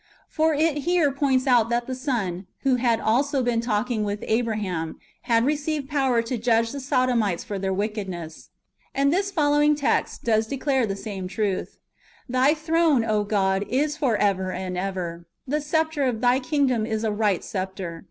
"^ For it here points out that the Son, who had also been talking with Abraham, had received power to judge the Sodomites for their wickedness. And this [text follow ing] does declare the same truth :" Thy throne, O God, is for ever and ever ; the sceptre of Thy kingdom is a right sceptre.